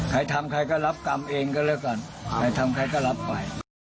ใครทำใครก็รับกรรมเองก็แล้วกันใครทำใครก็รับไป